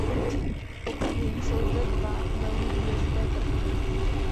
Pokud vím, jsou zde dva velmi důležité prvky.